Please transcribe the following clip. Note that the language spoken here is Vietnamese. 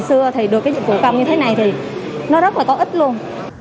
vì xưa thì được cái dịch vụ công như thế này thì nó rất là có ích luôn